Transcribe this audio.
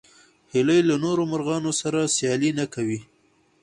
هیلۍ له نورو مرغانو سره سیالي نه کوي